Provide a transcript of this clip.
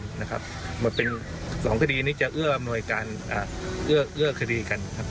เหมือนเป็น๒คดีนี้จะเอ้อกัน